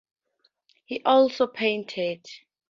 He also painted.